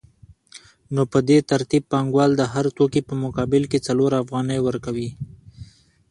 نو په دې ترتیب پانګوال د هر توکي په مقابل کې څلور افغانۍ ورکوي